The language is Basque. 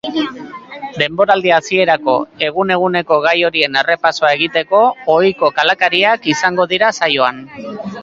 Denboraldi hasierako egun-eguneko gai horien errepasoa egiteko ohiko kalakariak izango dira saioan.